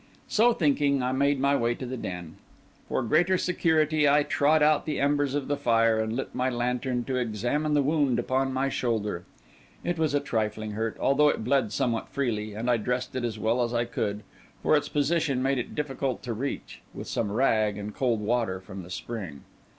So thinking, I made my way to the den. For greater security, I trod out the embers of the fire, and lit my lantern to examine the wound upon my shoulder. It was a trifling hurt, although it bled somewhat freely, and I dressed it as well as I could (for its position made it difficult to reach) with some rag and cold water from the spring.